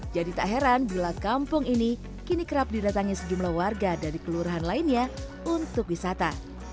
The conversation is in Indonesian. jadi tak heran bila kampung ini kini kerap didatangi sejumlah warga dari kelurahan lainnya untuk wisata